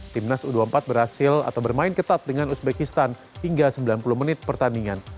timnas u dua puluh empat berhasil atau bermain ketat dengan uzbekistan hingga sembilan puluh menit pertandingan